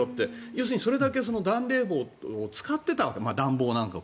要するに、それだけ暖冷房、光熱費を使ってたわけ。